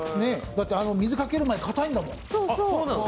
だって水かける前、かたいんだもん。